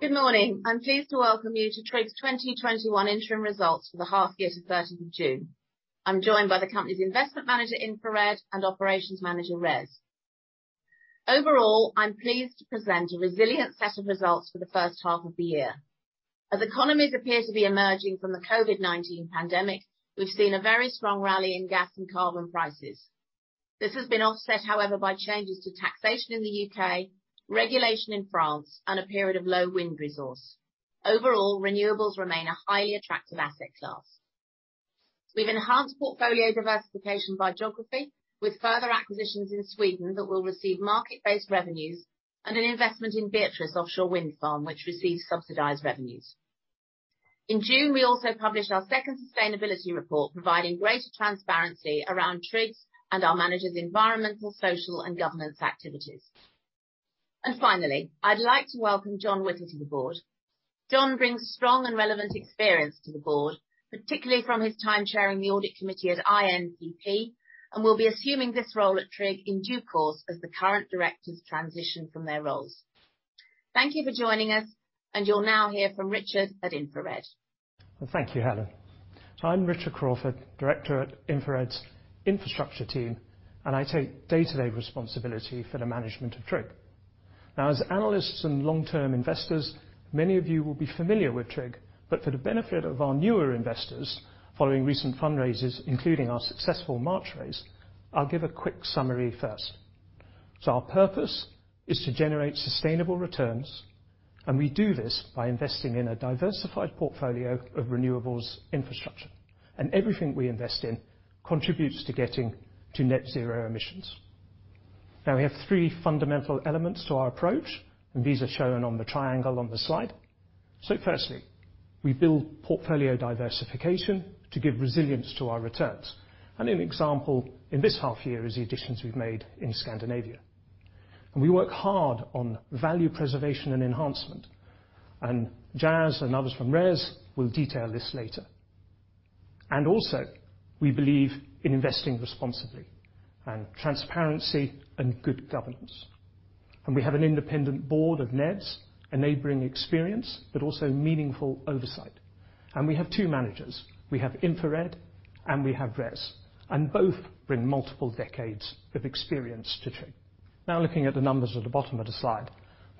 Good morning. I'm pleased to welcome you to TRIG's 2021 Interim Results for the half year to 30th of June. I'm joined by the company's investment manager, InfraRed, and operations manager, RES. Overall, I'm pleased to present a resilient set of results for the first half of the year. As economies appear to be emerging from the COVID-19 pandemic, we've seen a very strong rally in gas and carbon prices. This has been offset, however, by changes to taxation in the U.K., regulation in France, and a period of low wind resource. Overall, renewables remain a highly attractive asset class. We've enhanced portfolio diversification by geography with further acquisitions in Sweden that will receive market-based revenues and an investment in Beatrice Offshore Wind Farm, which receives subsidized revenues. In June, we also published our second sustainability report providing greater transparency around TRIG's and our managers' environmental, social, and governance activities. Finally, I'd like to welcome John Whittle to the Board. John brings strong and relevant experience to the Board, particularly from his time chairing the audit committee at INPP, and will be assuming this role at TRIG in due course as the current directors transition from their roles. Thank you for joining us and you'll now hear from Richard at InfraRed. Well, thank you, Helen. I'm Richard Crawford, Director at InfraRed's infrastructure team and I take day-to-day responsibility for the management of TRIG. Now, as analysts and long-term investors, many of you will be familiar with TRIG, but for the benefit of our newer investors following recent fundraisers including our successful March raise, I'll give a quick summary first. Our purpose is to generate sustainable returns, and we do this by investing in a diversified portfolio of renewables infrastructure. Everything we invest in contributes to getting to net zero emissions. Now, we have three fundamental elements to our approach and these are shown on the triangle on the slide. Firstly, we build portfolio diversification to give resilience to our returns. An example in this half year is the additions we've made in Scandinavia. We work hard on value preservation and enhancement, and Jaz, and others from RES will detail this later. Also, we believe in investing responsibly, transparency, and good governance. We have an independent board of NEDs enabling experience but also meaningful oversight. We have two managers. We have InfraRed and we have RES, and both bring multiple decades of experience to TRIG. Now looking at the numbers at the bottom of the slide.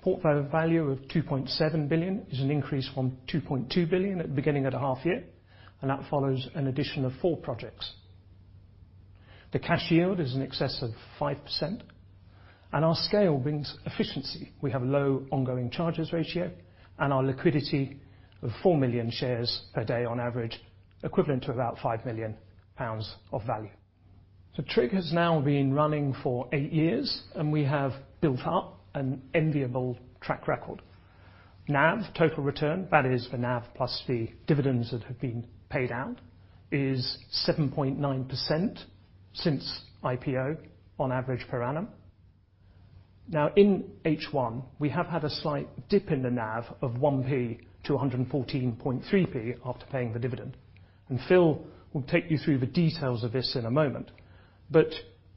Portfolio value of 2.7 billion is an increase from 2.2 billion at the beginning of the half year and that follows an addition of four projects. The cash yield is in excess of 5% and our scale brings efficiency. We have low ongoing charges ratio and our liquidity of 4 million shares per day on average equivalent to about 5 million pounds of value. TRIG has now been running for eight years, and we have built up an enviable track record. NAV total return, that is the NAV plus the dividends that have been paid out, is 7.9% since IPO on average per annum. Now in H1, we have had a slight dip in the NAV of 1p to 114.3p after paying the dividend, and Phil will take you through the details of this in a moment.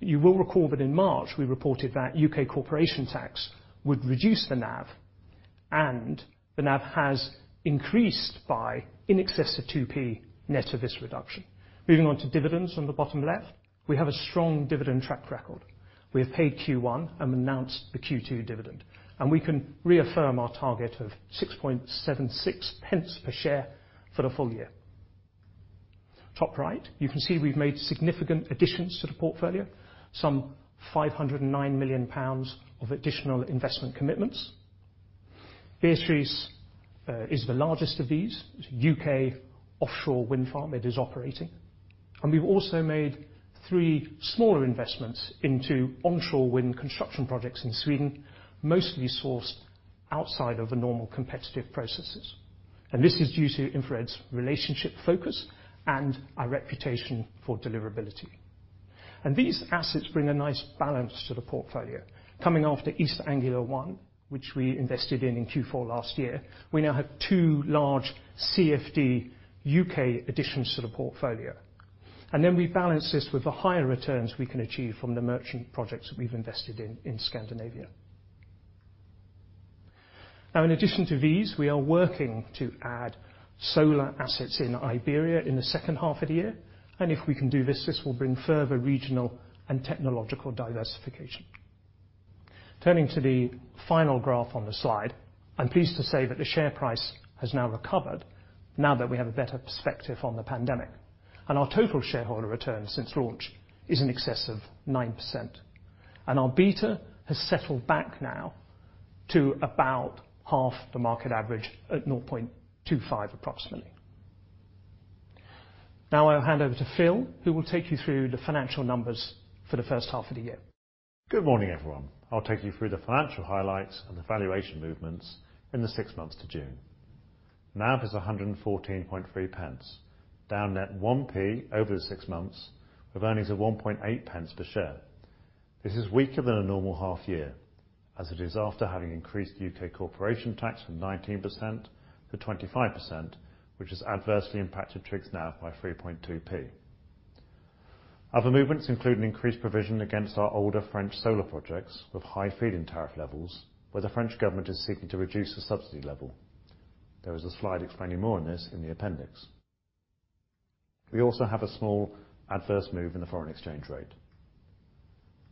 You will recall that in March, we reported that U.K. corporation tax would reduce the NAV, and the NAV has increased by in excess of 2p net of this reduction. Moving on to dividends on the bottom left. We have a strong dividend track record. We have paid Q1, and announced the Q2 dividend, and we can reaffirm our target of 0.0676 per share for the full-year. Top right, you can see we've made significant additions to the portfolio, some 509 million pounds of additional investment commitments. Beatrice is the largest of these. It's a U.K. offshore wind farm that is operating. We've also made three smaller investments into onshore wind construction projects in Sweden, mostly sourced outside of the normal competitive processes. This is due to InfraRed's relationship focus and our reputation for deliverability. These assets bring a nice balance to the portfolio. Coming after East Anglia ONE, which we invested in, in Q4 last year, we now have two large CFD U.K. additions to the portfolio. Then we balance this with the higher returns we can achieve from the merchant projects that we've invested in Scandinavia. Now in addition to these, we are working to add solar assets in Iberia in the second half of the year. If we can do this will bring further regional and technological diversification. Turning to the final graph on the slide, I'm pleased to say that the share price has now recovered now that we have a better perspective on the pandemic. Our total shareholder return since launch is in excess of 9%. Our beta has settled back now to about half the market average at 0.25 approximately. Now I'll hand over to Phil, who will take you through the financial numbers for the first half of the year. Good morning, everyone. I'll take you through the financial highlights and the valuation movements in the six months to June. NAV is 1.143, down net 1p over the six months of earnings of 0.018 per share. This is weaker than a normal half year, as it is after having increased U.K. corporation tax from 19% to 25%, which has adversely impacted TRIG's NAV by 3.2p. Other movements include an increased provision against our older French solar projects with high feed-in tariff levels where the French government is seeking to reduce the subsidy level. There is a slide explaining more on this in the appendix. We also have a small adverse move in the foreign exchange rate.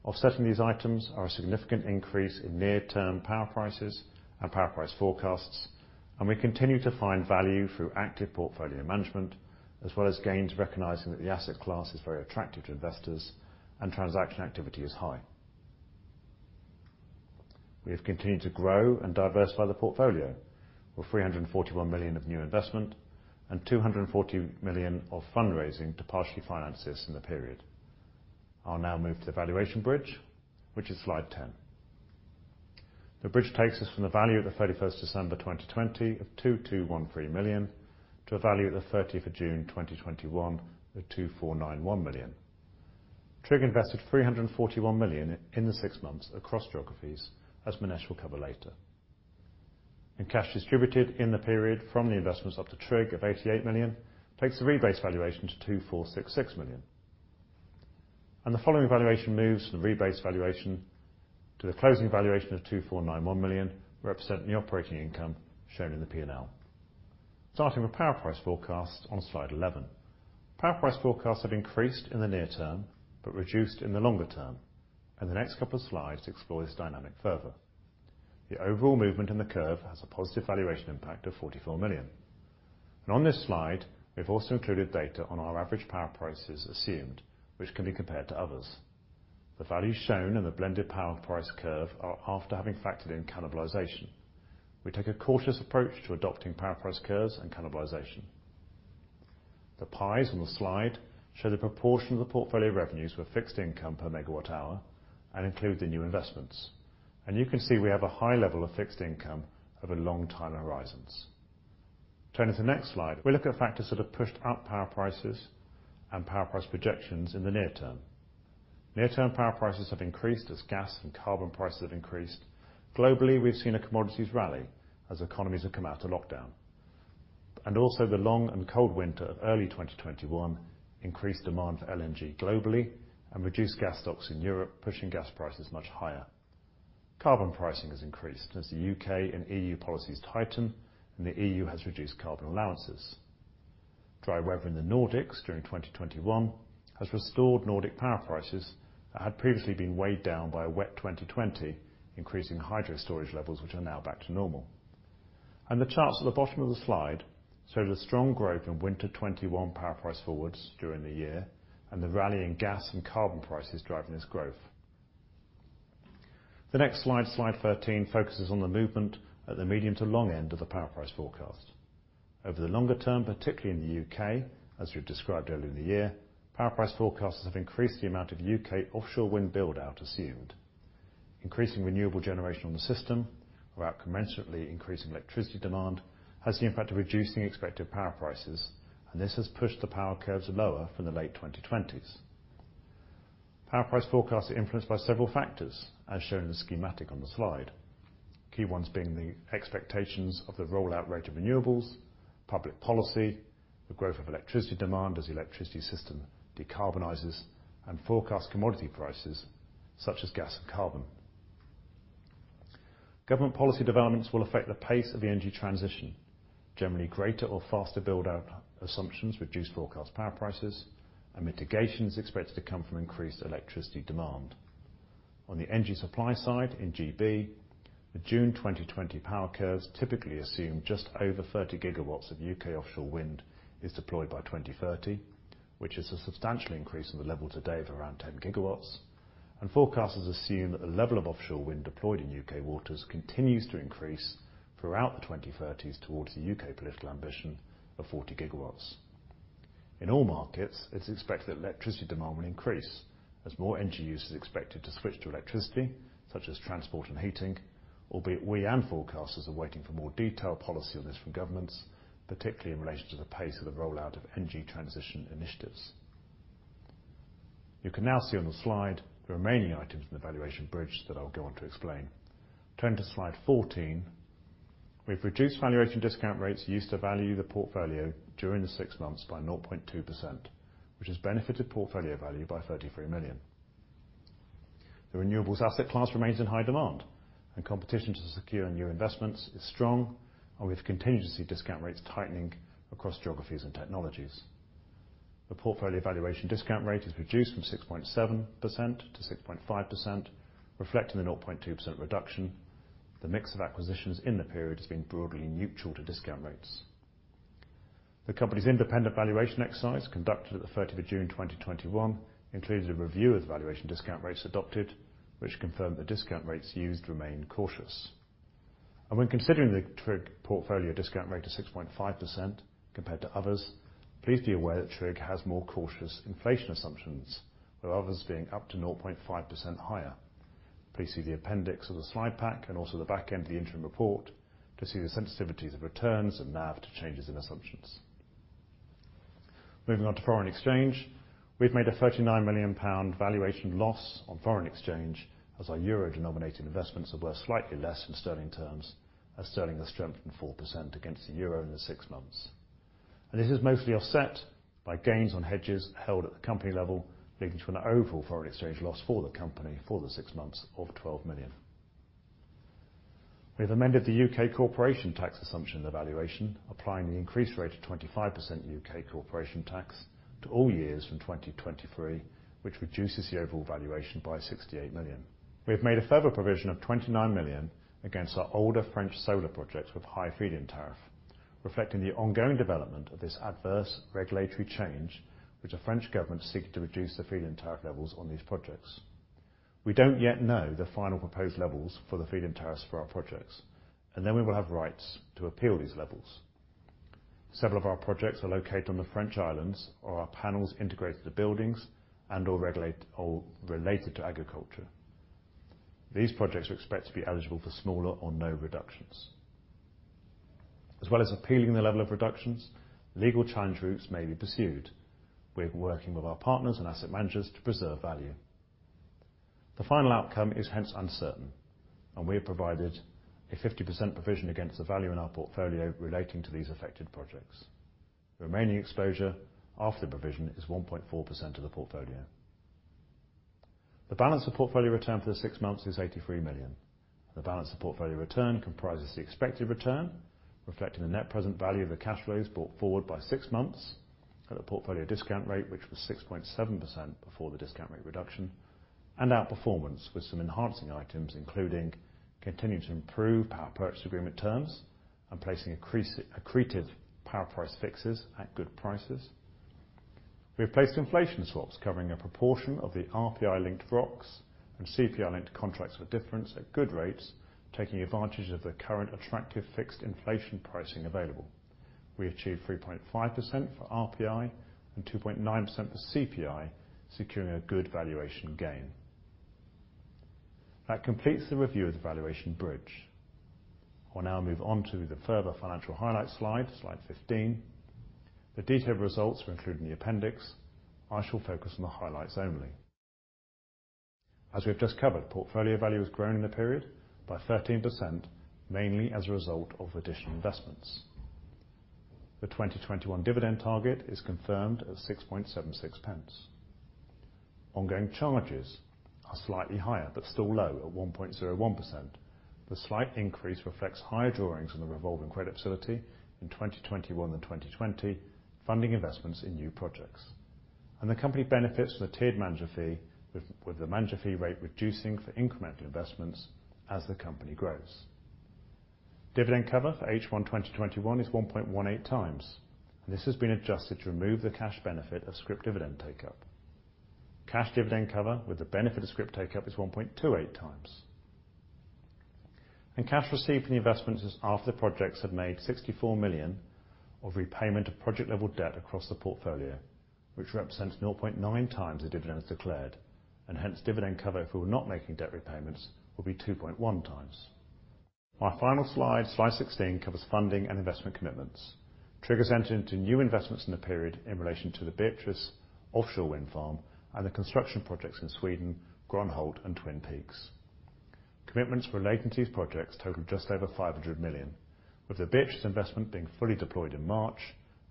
Offsetting these items are a significant increase in near term power prices and power price forecasts, and we continue to find value through active portfolio management, as well as gains recognizing that the asset class is very attractive to investors and transaction activity is high. We have continued to grow and diversify the portfolio with 341 million of new investment and 240 million of fundraising to partially finance this in the period. I'll now move to the valuation bridge, which is slide 10. The bridge takes us from the value on the 31st of December, 2020 of 221.3 million to a value at 30th of June, 2021 of 249.1 million. TRIG invested 341 million in the six months across geographies as Minesh will cover later. Cash distributed in the period from the investments up to TRIG of 88 million takes the rebase valuation to 246.6 million. The following valuation moves the rebase valuation to the closing valuation of 249.1 million, representing the operating income shown in the P&L. Starting with power price forecast on slide 11. Power price forecasts have increased in the near term but reduced in the longer term. The next couple of slides explore this dynamic further. The overall movement in the curve has a positive valuation impact of 44 million. On this slide, we've also included data on our average power prices assumed, which can be compared to others. The values shown in the blended power price curve are after having factored in cannibalization. We take a cautious approach to adopting power price curves and cannibalization. The pies on the slide show the proportion of the portfolio revenues with fixed income per megawatt hour and include the new investments. You can see we have a high level of fixed income over long time horizons. Turning to the next slide, we look at factors that have pushed up power prices and power price projections in the near term. Near-term power prices have increased as gas and carbon prices have increased. Globally, we've seen a commodities rally as economies have come out of lockdown. Also, the long and cold winter of early 2021 increased demand for LNG globally and reduced gas stocks in Europe, pushing gas prices much higher. Carbon pricing has increased as the U.K. and EU policies tighten and the EU has reduced carbon allowances. Dry weather in the Nordics during 2021 has restored Nordic power prices that had previously been weighed down by a wet 2020, increasing hydro storage levels, which are now back to normal. The charts at the bottom of the slide show the strong growth in winter 2021 power price forwards during the year and the rally in gas and carbon prices driving this growth. The next slide, slide 13, focuses on the movement at the medium to long end of the power price forecast. Over the longer term, particularly in the U.K., as we have described earlier in the year, power price forecasts have increased the amount of U.K. offshore wind build-out assumed. Increasing renewable generation on the system without commensurately increasing electricity demand has the impact of reducing expected power prices and this has pushed the power curves lower from the late 2020s. Power price forecasts are influenced by several factors, as shown in the schematic on the slide. Key ones being the expectations of the rollout rate of renewables, public policy, the growth of electricity demand as the electricity system decarbonizes and forecast commodity prices such as gas and carbon. Government policy developments will affect the pace of energy transition. Generally greater or faster build-out assumptions reduce forecast power prices and mitigation is expected to come from increased electricity demand. On the energy supply side in GB, the June 2020 power curves typically assume just over 30 GW of U.K. offshore wind is deployed by 2030, which is a substantial increase from the level today of around 10 GW. Forecasters assume that the level of offshore wind deployed in U.K. Waters continues to increase throughout the 2030s towards the U.K. political ambition of 40 GW. In all markets, it's expected that electricity demand will increase as more energy use is expected to switch to electricity, such as transport and heating, albeit we and forecasters are waiting for more detailed policy on this from governments, particularly in relation to the pace of the rollout of energy transition initiatives. You can now see on the slide the remaining items in the valuation bridge that I'll go on to explain. Turning to slide 14, we have reduced valuation discount rates used to value the portfolio during the six months by 0.2%, which has benefited portfolio value by 33 million. The renewables asset class remains in high demand and competition to secure new investments is strong with continuing discount rates tightening across geographies and technologies. The portfolio valuation discount rate is reduced from 6.7% to 6.5%, reflecting a 0.2% observed reduction. The mix of acquisitions in the period has been broadly neutral to discount rates. The company's independent valuation exercise conducted at the 30th of June, 2021 included a review of the valuation discount rates adopted, which confirmed the discount rates used remain cautious. When considering the Trig portfolio discount rate of 6.5% compared to others, please be aware that Trig has more cautious inflation assumptions with others being up to 0.5% higher. Please see the appendix of the slide pack and also the back end of the interim report to see the sensitivities of returns and NAV to changes in assumptions. Moving on to foreign exchange, we have made a 39 million pound valuation loss on foreign exchange as our Euro denominated investments are worth slightly less in sterling terms as sterling has strengthened 4% against the Euro in the six months. This is mostly offset by gains on hedges held at the company level leading to an overall foreign exchange loss for the company for the six months of 12 million. We've amended the U.K. corporation tax assumption evaluation, applying the increased rate of 25% U.K. corporation tax to all years from 2023, which reduces the overall valuation by 68 million. We have made a further provision of 29 million against our older French solar projects with high feed-in tariff, reflecting the ongoing development of this adverse regulatory change, which the French government seek to reduce the feed-in tariff levels on these projects. We don't yet know the final proposed levels for the feed-in tariffs for our projects and then we will have rights to appeal these levels. Several of our projects are located on the French islands or our panels integrated to buildings and/or regulate or related to agriculture. These projects are expected to be eligible for smaller or no reductions. As well as appealing the level of reductions, legal challenge routes may be pursued. We have been working with our partners and asset managers to preserve value. The final outcome is hence uncertain and we have provided a 50% provision against the value in our portfolio relating to these affected projects. Remaining exposure after the provision is 1.4% of the portfolio. The balance of portfolio return for the six months is 83 million. The balance of portfolio return comprises the expected return reflecting the net present value of the cash flows brought forward by six months at a portfolio discount rate, which was 6.7% before the discount rate reduction, and outperformance with some enhancing items, including continuing to improve power purchase agreement terms and placing accretive power price fixes at good prices. We have placed inflation swaps covering a proportion of the RPI-linked ROCs and CPI-linked contracts for difference at good rates taking advantage of the current attractive fixed inflation pricing available. We achieved 3.5% for RPI and 2.9% for CPI securing a good valuation gain. That completes the review of the valuation bridge. I will now move on to the further financial highlight slide, slide 15. The detailed results are included in the appendix. I shall focus on the highlights only. As we have just covered, portfolio value has grown in the period by 13%, mainly as a result of additional investments. The 2021 dividend target is confirmed at 0.0676. Ongoing charges are slightly higher but still low at 1.01%. The slight increase reflects higher drawings in the revolving credit facility in 2021 and 2020 funding investments in new projects. The company benefits from the tiered manager fee with the manager fee rate reducing for incremental investments as the company grows. Dividend cover for H1 2021 is 1.18x. This has been adjusted to remove the cash benefit of scrip dividend take-up. Cash dividend cover with the benefit of scrip take-up is 1.28x. Cash received from the investments after the projects have made 64 million of repayment of project-level debt across the portfolio, which represents 0.9x the dividends declared, and hence dividend cover if we were not making debt repayments would be 2.1x. My final slide, slide 16, covers funding and investment commitments. TRIG entered into new investments in the period in relation to the Beatrice Offshore Wind Farm and the construction projects in Sweden, Grönhult, and Twin Peaks. Commitments relating to these projects totaled just over 500 million, with the Beatrice investment being fully deployed in March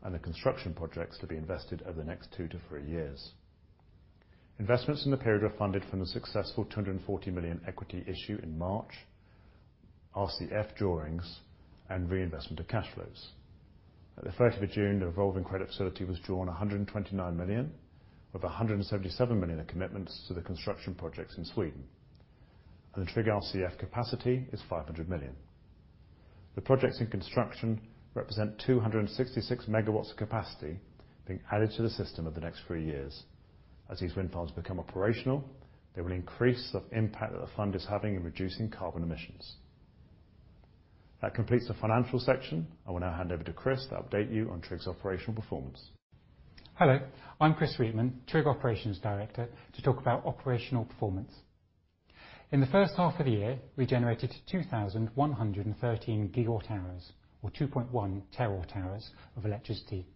and the construction projects to be invested over the next two years to three years. Investments in the period are funded from the successful 240 million equity issue in March, RCF drawings, and reinvestment of cash flows. At the 1st of June, the revolving credit facility was drawn 129 million, with 177 million are commitments to the construction projects in Sweden. The TRIG RCF capacity is 500 million. The projects in construction represent 266 MW of capacity being added to the system over the next three years. As these wind farms become operational, they will increase the impact that the fund is having in reducing carbon emissions. That completes the financial section. I will now hand over to Chris to update you on TRIG's operational performance. Hello, I'm Chris Sweetman, TRIG Operations Director, to talk about operational performance. In the first half of the year, we generated 2,113 GW hours or 2.1 TW hours of electricity.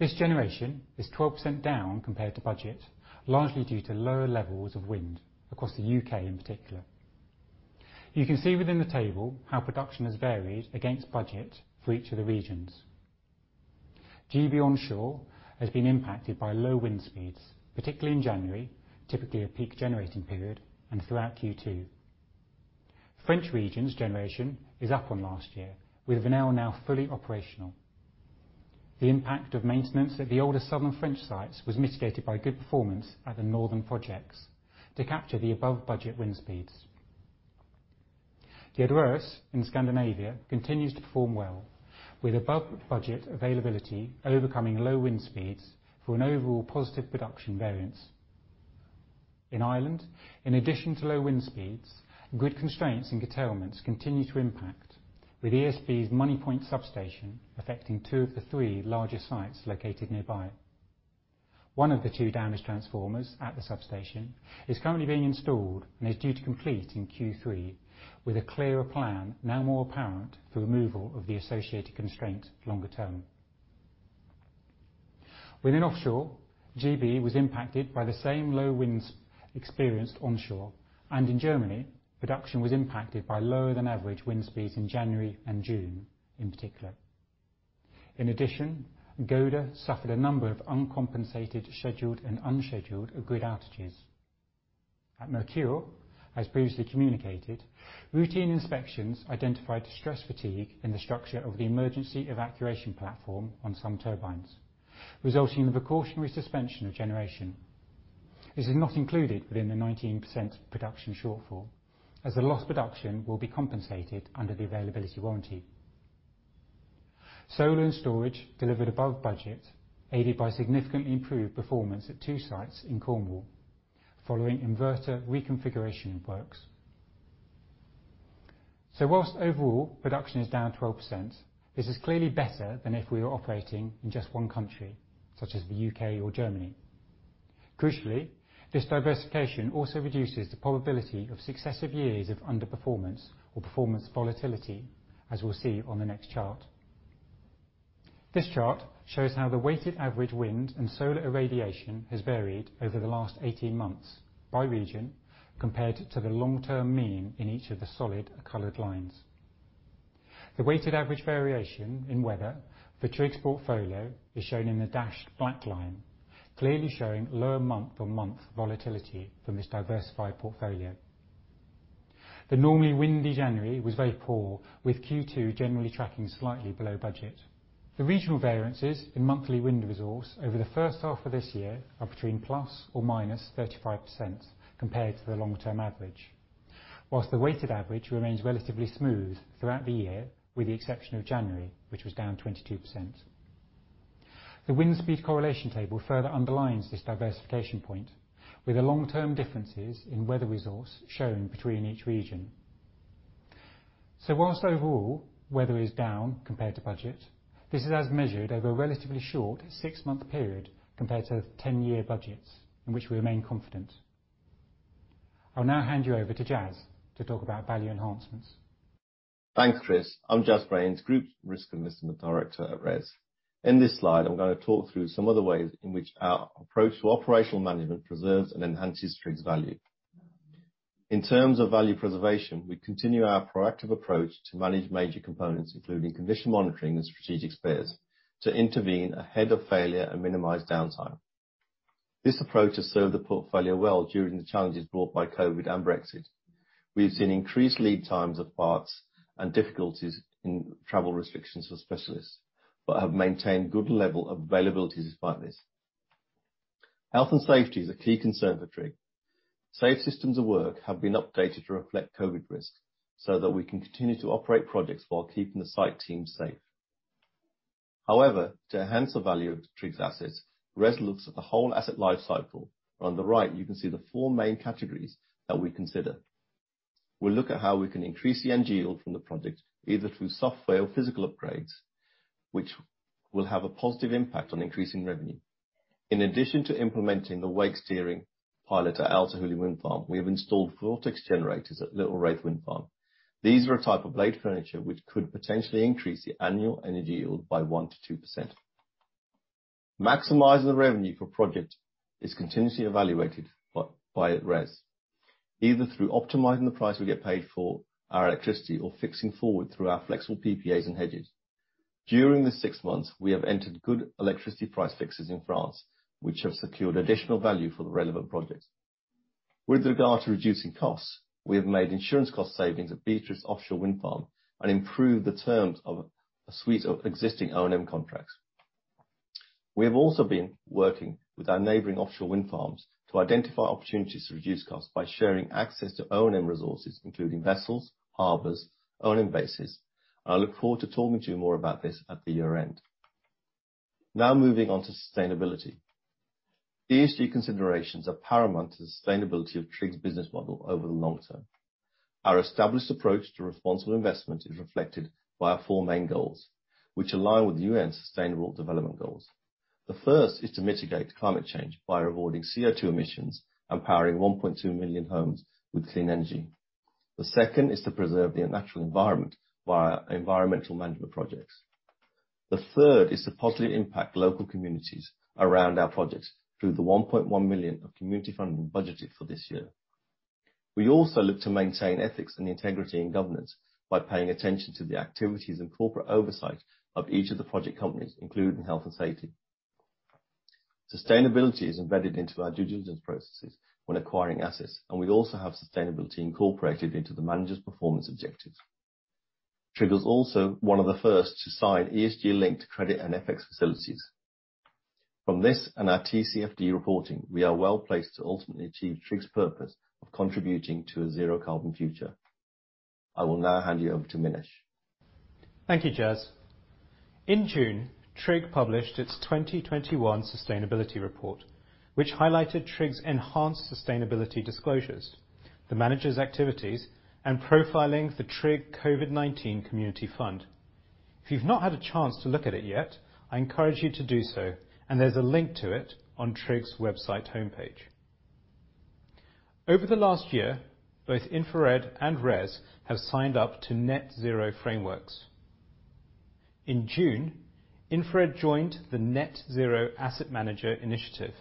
This generation is 12% down compared to budget, largely due to lower levels of wind across the U.K. in particular. You can see within the table how production has varied against budget for each of the regions. GB onshore has been impacted by low wind speeds, particularly in January, typically a peak generating period and throughout Q2. French region's generation is up on last year with Venelle now fully operational. The impact of maintenance at the older southern French sites was mitigated by good performance at the northern projects to capture the above budget wind speeds. The Adoras in Scandinavia continue to perform well with above budget availability overcoming low wind speeds for an overall positive production variance. In Ireland, in addition to low wind speeds, grid constraints, and curtailments continue to impact with ESB's Moneypoint substation affecting two of the three larger sites located nearby. One of the two damaged transformers at the substation is currently being installed and is due to complete in Q3 with a clearer plan now more apparent for removal of the associated constraint longer term. Within offshore, GB was impacted by the same low winds experienced onshore, and in Germany, production was impacted by lower than average wind speeds in January and June in particular. In addition, Gode suffered a number of uncompensated, scheduled, and unscheduled grid outages. At Merkur, as previously communicated, routine inspections identified stress fatigue in the structure of the emergency evacuation platform on some turbines resulting in the precautionary suspension of generation. This is not included within the 19% production shortfall, as the lost production will be compensated under the availability warranty. Solar and storage delivered above budget, aided by significantly improved performance at two sites in Cornwall following inverter reconfiguration works. Whilst overall, production is down 12%. This is clearly better than if we were operating in just one country, such as the U.K. or Germany. Crucially, this diversification also reduces the probability of successive years of underperformance or performance volatility, as we'll see on the next chart. This chart shows how the weighted average wind and solar irradiation has varied over the last 18 months by region compared to the long-term mean in each of the solid colored lines. The weighted average variation in weather for TRIG's portfolio is shown in the dashed black line, clearly showing lower month-on-month volatility from this diversified portfolio. The normally windy January was very poor with Q2 generally tracking slightly below budget. The regional variances in monthly wind resource over the first half of this year are between ±35% compared to the long-term average. Whilst the weighted average remains relatively smooth throughout the year with the exception of January, which was down 22%. The wind speed correlation table further underlines this diversification point with the long-term differences in weather resource shown between each region. Whilst overall, weather is down compared to budget. This is as measured over a relatively short six-month period compared to 10-year budgets in which we remain confident. I'll now hand you over to Jas to talk about value enhancements. Thanks, Chris. I'm Jaz Bains, Group Risk and Investment Director at RES. In this slide, I'm going to talk through some of the ways in which our approach to operational management preserves and enhances TRIG's value. In terms of value preservation, we continue our proactive approach to manage major components, including condition monitoring and strategic spares, to intervene ahead of failure and minimize downtime. This approach has served the portfolio well during the challenges brought by COVID and Brexit. We have seen increased lead times of parts and difficulties in travel restrictions for specialists, but have maintained good level of availability despite this. Health and safety is a key concern for TRIG. Safe systems of work have been updated to reflect COVID risks so that we can continue to operate projects while keeping the site team safe. However, to enhance the value of TRIG's assets, RES looks at the whole asset life cycle. On the right, you can see the four main categories that we consider. We look at how we can increase the energy yield from the project, either through software or physical upgrades, which will have a positive impact on increasing revenue. In addition to implementing the wake steering pilot at Altahullion Wind Farm, we have installed vortex generators at Little Raith Wind Farm. These are a type of blade furniture which could potentially increase the annual energy yield by 1% to 2%. Maximizing the revenue for project is continuously evaluated by RES, either through optimizing the price we get paid for our electricity or fixing forward through our flexible PPAs and hedges. During this six months, we have entered good electricity price fixes in France, which have secured additional value for the relevant projects. With regard to reducing costs, we have made insurance cost savings at Beatrice Offshore Wind Farm and improved the terms of a suite of existing O&M contracts. We have also been working with our neighboring offshore wind farms to identify opportunities to reduce costs by sharing access to O&M resources, including vessels, harbors, O&M bases. I look forward to talking to you more about this at the year-end. Now moving on to sustainability. ESG considerations are paramount to the sustainability of TRIG's business model over the long term. Our established approach to responsible investment is reflected by our four main goals, which align with the UN Sustainable Development Goals. The first is to mitigate climate change by rewarding CO2 emissions and powering 1.2 million homes with clean energy. The second is to preserve the natural environment via environmental management projects. The third is to positively impact local communities around our projects through the 1.1 million of community funding budgeted for this year. We also look to maintain ethics and the integrity in governance by paying attention to the activities and corporate oversight of each of the project companies, including health and safety. Sustainability is embedded into our due diligence processes when acquiring assets, and we also have sustainability incorporated into the management performance objectives. TRIG was also one of the first to sign ESG linked credit and FX facilities. From this and our TCFD reporting, we are well placed to ultimately achieve TRIG's purpose of contributing to a zero carbon future. I will now hand you over to Minesh. Thank you, Jaz. In June, TRIG published its 2021 sustainability report, which highlighted TRIG's enhanced sustainability disclosures, the manager's activities, and profiling the TRIG COVID-19 community fund. If you've not had a chance to look at it yet, I encourage you to do so, and there's a link to it on TRIG's website homepage. Over the last year, both InfraRed and RES have signed up to Net Zero frameworks. In June, InfraRed joined the Net Zero Asset Managers initiative.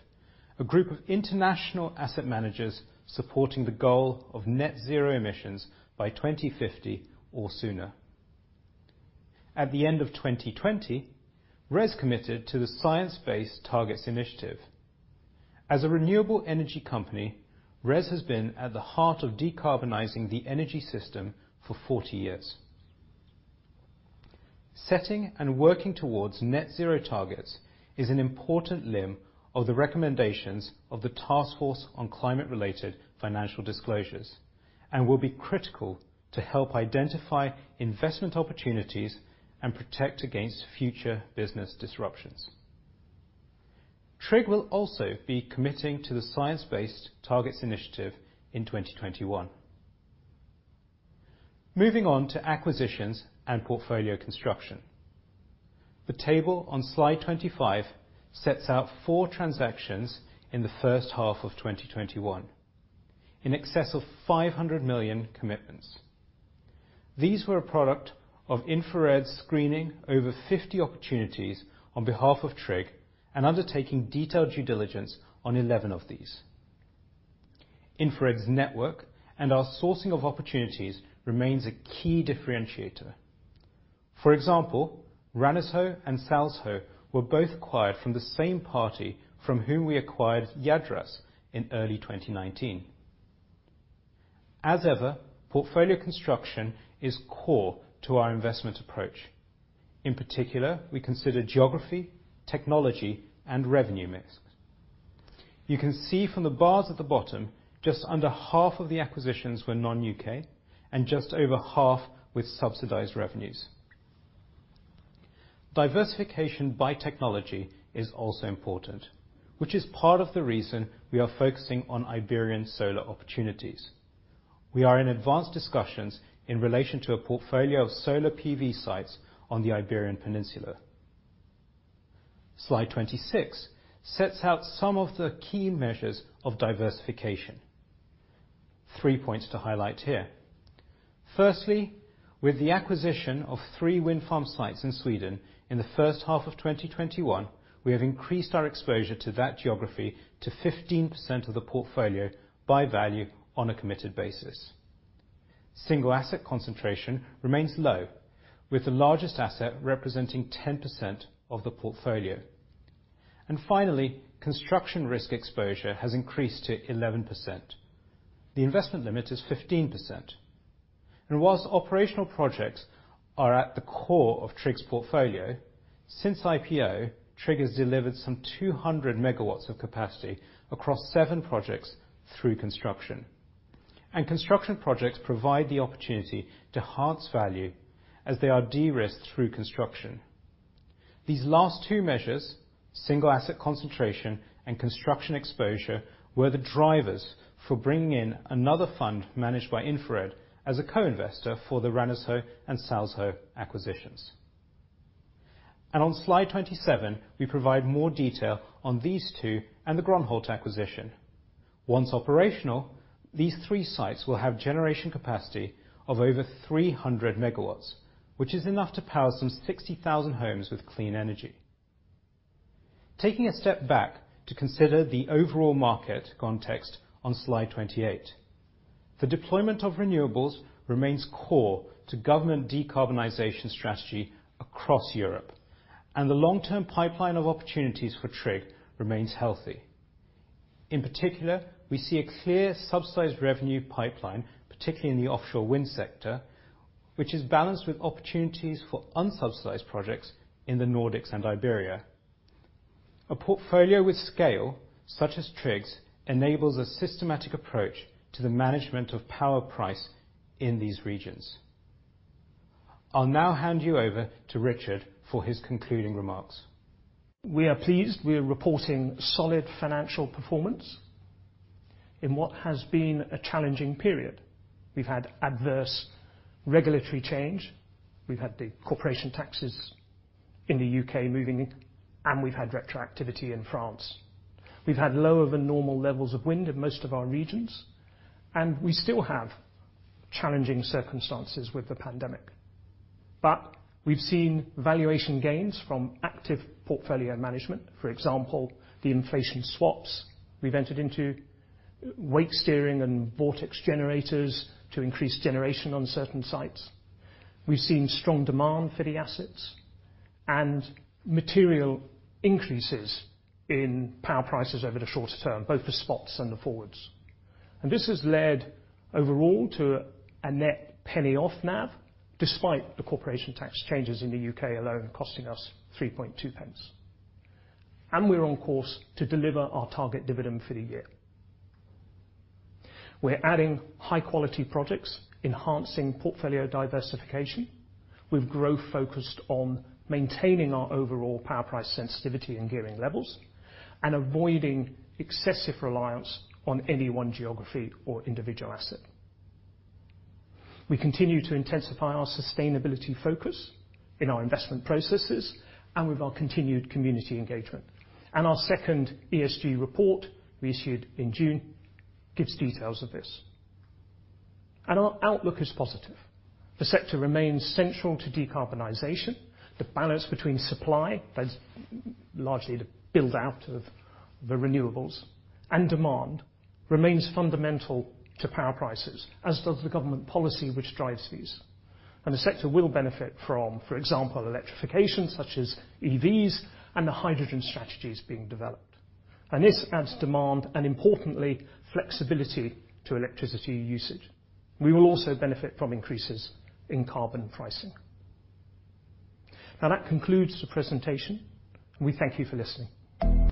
A group of international asset managers supporting the goal of net-zero emissions by 2050 or sooner. At the end of 2020, RES committed to the Science Based Targets initiative. As a renewable energy company, RES has been at the heart of decarbonizing the energy system for 40 years. Setting and working towards net zero targets is an important limb of the recommendations of the task force on climate-related financial disclosures and will be critical to help identify investment opportunities and protect against future business disruptions. TRIG will also be committing to the Science Based Targets initiative in 2021. Moving on to acquisitions and portfolio construction. The table on slide 25 sets out four transactions in the first half of 2021, in excess of 500 million commitments. These were a product of InfraRed screening over 50 opportunities on behalf of TRIG and undertaking detailed due diligence on 11 of these. InfraRed's network and our sourcing of opportunities remains a key differentiator. For example, Ranasjö and Salsjö were both acquired from the same party from whom we acquired Jädraås in early 2019. As ever, portfolio construction is core to our investment approach. In particular, we consider geography, technology, and revenue mix. You can see from the bars at the bottom, just under half of the acquisitions were non-U.K. and just over half with subsidized revenues. Diversification by technology is also important, which is part of the reason we are focusing on Iberian solar opportunities. We are in advanced discussions in relation to a portfolio of solar PV sites on the Iberian Peninsula. Slide 26 sets out some of the key measures of diversification. Three points to highlight here. Firstly, with the acquisition of three wind farm sites in Sweden in the first half of 2021, we have increased our exposure to that geography to 15% of the portfolio by value on a committed basis. Single asset concentration remains low with the largest asset representing 10% of the portfolio. Finally, construction risk exposure has increased to 11%. The investment limit is 15%. Whilst operational projects are at the core of TRIG's portfolio, since IPO, TRIG has delivered some 200 MW of capacity across seven projects through construction. Construction projects provide the opportunity to harvest value as they are de-risked through construction. These last two measures, single asset concentration and construction exposure, were the drivers for bringing in another fund managed by InfraRed as a co-investor for the Ranasjö and Salsjö acquisitions. On slide 27, we provide more detail on these two and the Grönhult acquisition. Once operational, these three sites will have generation capacity of over 300 MW, which is enough to power some 60,000 homes with clean energy. Taking a step back to consider the overall market context on slide 28. The deployment of renewables remains core to government decarbonization strategy across Europe, and the long-term pipeline of opportunities for TRIG remains healthy. In particular, we see a clear subsidized revenue pipeline, particularly in the offshore wind sector, which is balanced with opportunities for unsubsidized projects in the Nordics and Iberia. A portfolio with scale, such as TRIG's, enables a systematic approach to the management of power price in these regions. I'll now hand you over to Richard for his concluding remarks. We are pleased we are reporting solid financial performance in what has been a challenging period. We've had adverse regulatory change. We've had the corporation taxes in the U.K. moving, and we've had retroactivity in France. We've had lower than normal levels of wind in most of our regions, and we still have challenging circumstances with the pandemic. We've seen valuation gains from active portfolio management. For example, the inflation swaps we've entered into, wake steering, and vortex generators to increase generation on certain sites. We've seen strong demand for the assets and material increases in power prices over the shorter term, both the spots and the forwards. This has led overall to a net GBP 0.0001 off NAV, despite the corporation tax changes in the U.K. alone costing us 0.00032. We're on course to deliver our target dividend for the year. We're adding high-quality projects, enhancing portfolio diversification. We've growth-focused on maintaining our overall power price sensitivity and gearing levels and avoiding excessive reliance on any one geography or individual asset. We continue to intensify our sustainability focus in our investment processes and with our continued community engagement. Our second ESG report we issued in June gives details of this. Our outlook is positive. The sector remains central to decarbonization. The balance between supply, that's largely the build-out of the renewables, and demand remains fundamental to power prices, as does the government policy which drives these. The sector will benefit from, for example, electrification, such as EVs and the hydrogen strategies being developed. This adds demand and importantly, flexibility to electricity usage. We will also benefit from increases in carbon pricing. Now that concludes the presentation. We thank you for listening.